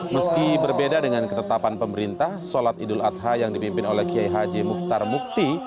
meski berbeda dengan ketetapan pemerintah sholat idul adha yang dipimpin oleh kiai haji mukhtar mukti